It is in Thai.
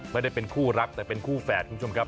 ไม่ได้เป็นคู่รักแต่เป็นคู่แฝดคุณผู้ชมครับ